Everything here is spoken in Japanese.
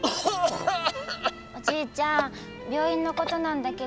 おじいちゃん病院のことなんだけど。